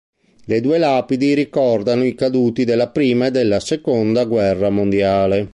Le due lapidi ricordano i caduti della prima e della Seconda guerra mondiale.